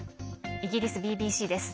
イギリスＢＢＣです。